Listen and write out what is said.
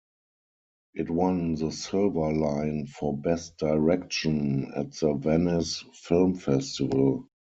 It won the Silver Lion for Best Direction at the Venice Film Festival.